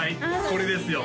これですよ